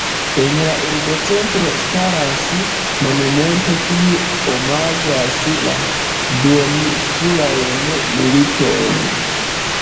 En la urbocentro staras monumento, kiu omaĝas la duoninsulajn militojn.